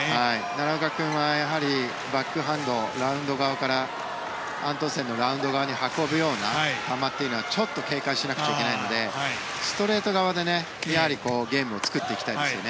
奈良岡君はやはり、バックハンドアントンセンのラウンド側に運ぶような球は警戒しなくちゃいけないのでストレート側でゲームを作っていきたいですね。